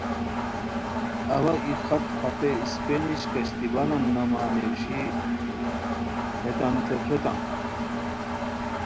اوا ای خط ہتے سپینش کشتی بانان نامہ نیویشی ہیتانتے پھریتام